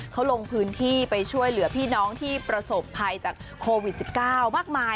เขาลงพื้นที่ไปช่วยเหลือพี่น้องที่ประสบภัยจากโควิด๑๙มากมาย